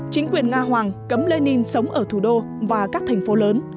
chính quyền nga hoàng cấm lenin sống ở thủ đô và các thành phố lớn